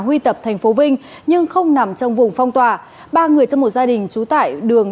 huy tập thành phố vinh nhưng không nằm trong vùng phong tỏa ba người trong một gia đình trú tại đường